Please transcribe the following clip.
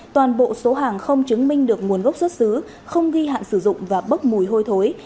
toàn bộ số hàng không chứng minh được nguồn gốc xuất xứ không ghi hạn sử dụng và bốc mùi hôi thối